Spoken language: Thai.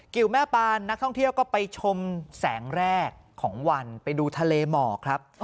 แม่ปานนักท่องเที่ยวก็ไปชมแสงแรกของวันไปดูทะเลหมอกครับ